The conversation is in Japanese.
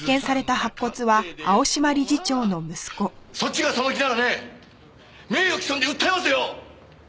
そっちがその気ならね名誉毀損で訴えますよ！